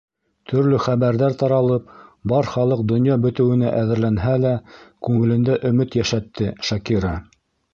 Төрлө хәбәрҙәр таралып, бар халыҡ донъя бөтәүенә әҙерләнһә лә, күңелендә өмөт йәшәтте Шакира.